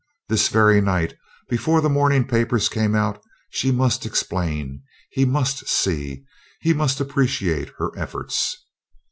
This very night, before the morning papers came out, she must explain. He must see; he must appreciate her efforts.